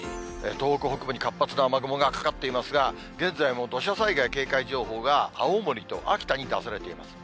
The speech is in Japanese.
東北北部に活発な雨雲がかかっていますが、現在も土砂災害警戒情報が、青森と秋田に出されています。